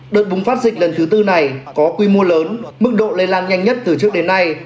đợt bùng phát dịch lần thứ tư này có quy mô lớn mức độ lây lan nhanh nhất từ trước đến nay